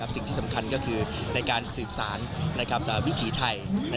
สิ่งที่สำคัญก็คือในการสืบสารวิถีไทย